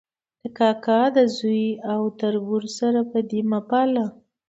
د کاکا د زوی او تربور سره بدي مه پاله